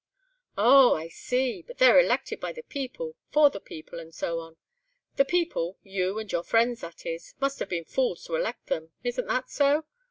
"Oh! I see; but they're elected by the people, for the people, and so on. The people—you and your friends, that is—must have been fools to elect them. Isn't that so?"